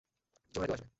কেউ না কেউ আসবে।